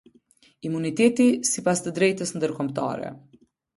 Imuniteti sipas të drejtës ndërkombëtare.